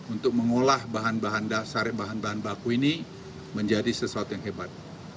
untuk mengolah bahan bahan dasar bahan bahan baku ini menjadi sesuatu yang hebat